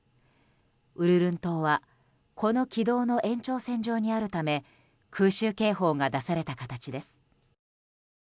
ウルルン島はこの軌道の延長線上にあるため空襲警報が出された形です。